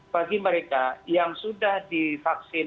bagi mereka yang sudah divaksin